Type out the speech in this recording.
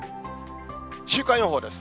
週間予報です。